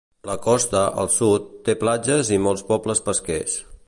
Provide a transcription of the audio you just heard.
La costa, al sud, té platges i molts pobles pesquers.